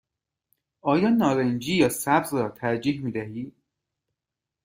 آیا نارنجی یا سبز را ترجیح می دهی؟